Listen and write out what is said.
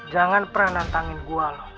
jangan pernah nantangin gue loh